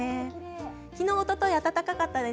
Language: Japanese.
昨日、おとといと暖かかったです。